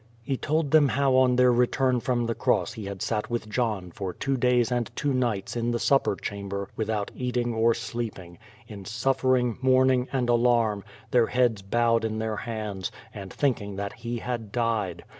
He told them how on their return from the cross he had sat with John for two days and two nights in the supper chamber without eating or sleeping, in suffering, mourning, and alarm, their heads bowed in their hands, and thinking that He had died.